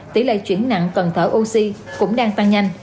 tỷ lệ chuyển nặng cần thở oxy cũng đang tăng nhanh